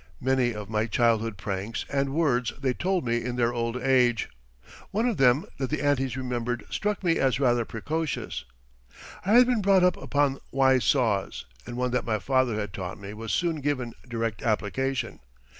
Many of my childhood pranks and words they told me in their old age. One of them that the aunties remembered struck me as rather precocious. I had been brought up upon wise saws and one that my father had taught me was soon given direct application.